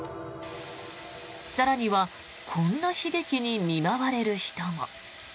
更にはこんな悲劇に見舞われる人も。